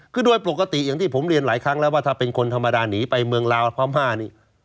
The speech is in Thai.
คือโดยปกติอย่างที่ผมเรียนหลายครั้งแล้วว่าถ้าเป็นคนธรรมดาหนีไปเมืองลาวพร้อม๕นี่